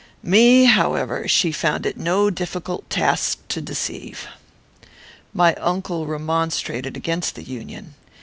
Me, however, she found it no difficult task to deceive. My uncle remonstrated against the union.